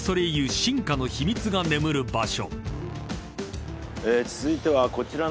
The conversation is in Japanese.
進化の秘密が眠る場所］